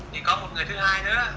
thì có một người thứ hai nữa